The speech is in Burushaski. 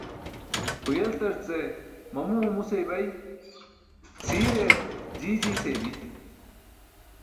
Huyeltarce mamu mamu seybay, cʰiire jii jii seybi.